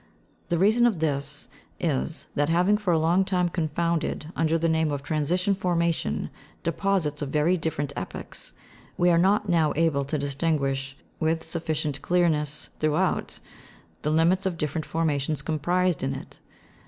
The reason of this is, that having for a long time confounded, under the name of transition formation, deposits of very different epochs, we are not now able to distinguish, with sufficient clearness throughout, the limits of different formations comprised in it.